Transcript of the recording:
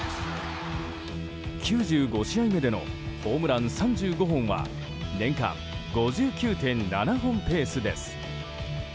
９５試合目でのホームラン３５本は年間５９．７本ペースです。